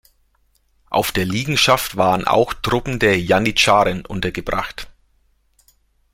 Auf der Liegenschaft waren auch Truppen der Janitscharen untergebracht.